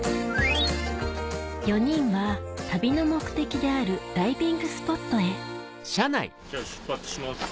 ４人は旅の目的であるダイビングスポットへじゃあ出発します。